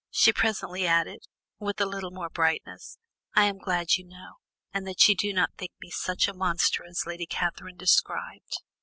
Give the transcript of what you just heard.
She presently added, with a little more brightness: "I am glad you know, and that you do not think me such a monster as Lady Catherine described."